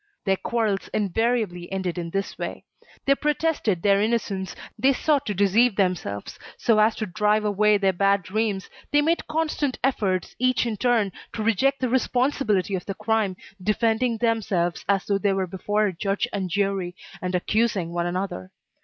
Their quarrels invariably ended in this way; they protested their innocence, they sought to deceive themselves, so as to drive away their bad dreams. They made constant efforts, each in turn, to reject the responsibility of the crime, defending themselves as though they were before a judge and jury, and accusing one another.